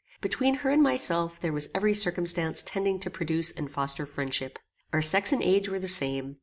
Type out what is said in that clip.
Between her and myself there was every circumstance tending to produce and foster friendship. Our sex and age were the same.